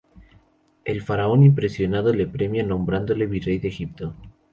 El Faraón impresionado le premia nombrándole virrey de Egipto.